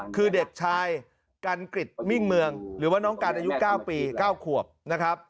คือเด็กชายกันกริจมิ่งเมืองหรือว่าน้องกันอายุ๙ปี๙ขวบนะครับ